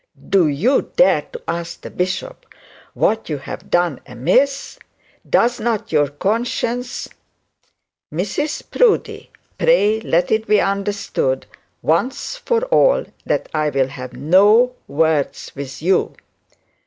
'Do you dare to ask the bishop what you have done amiss? does not your conscience ' 'Mrs Proudie, pray let it be understood, once for all, that I will have no words with you.'